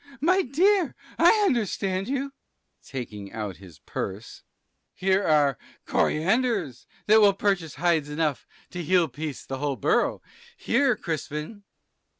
my dear, I understand you (taking out his purse) here are corianders that will purchase hides enough to heel piece the whole borough here Crispin.